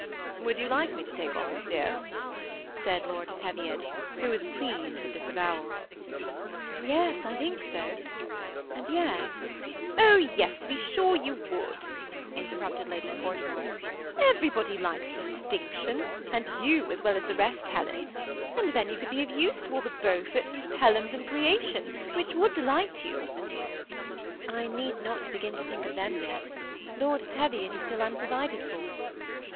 ^ Would you like me to take office, dear ?" said Lord Teviot, who was pleased with this avowaL « Yes, I think sol and yet" *' Oh yes, to be sure you would," interrupted Lady Portmore ;'^ everybody likes distinction ; and you as well as the rest, Qelen : and then you could be of use to all the Beauforts and Pelhams in creation, which would delight you." I need not begin to think of them yet. Lord Te viot is still unprovided for."